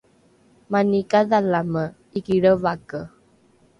mani kadhalame iki lrevake